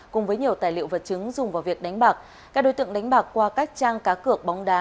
cùng với nhiều tài liệu vật chứng dùng vào việc đánh bạc các đối tượng đánh bạc qua các trang cá cược bóng đá